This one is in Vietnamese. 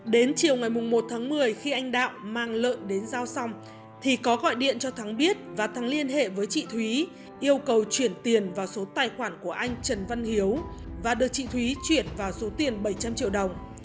đến chiều ngày một tháng một mươi khi anh đạo mang lợn đến giao xong thì có gọi điện cho thắng biết và thắng liên hệ với chị thúy yêu cầu chuyển tiền vào số tài khoản của anh trần văn hiếu và được chị thúy chuyển vào số tiền bảy trăm linh triệu đồng